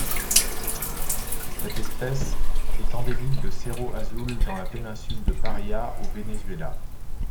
Cette espèce est endémique du Cerro Azul dans la péninsule de Paria au Venezuela.